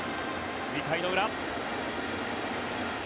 ２回の裏。